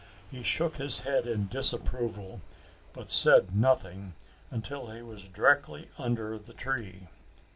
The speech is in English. He shook his head in disapproval, but said nothing until he was directly under the tree.